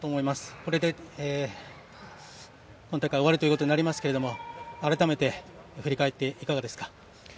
これで今大会終わるということになりますが改めて振り返っていかがですか。